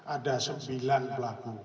ada sembilan pelaku